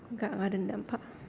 enggak enggak dendam pak